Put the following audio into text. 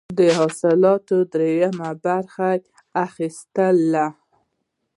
د حاصلاتو دریمه برخه اخیستله.